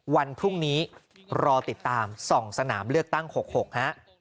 วันพรุ่งนี้รอติดตาม๒สนามเลือกตั้ง๖๖ฮะ